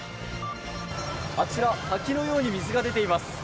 あちら滝のように水が出ています。